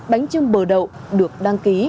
bánh trưng bờ đậu được đăng ký